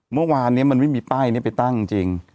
เมื่อวานนี้มันไม่มีป้ายนี้ไปตั้งจริง